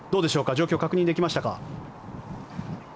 状況確認できましたか？